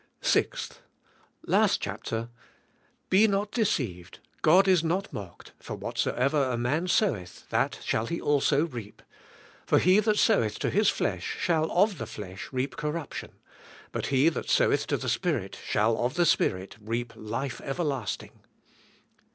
6. Last chapter, "Be not deceived, God is not mocked, for whatsoever a man soweth that shall he also reap. For he that soweth to his flesh shall of the flesh reap corruption; but he that soweth to the Spirit shall of the Spirit reap life everlasting."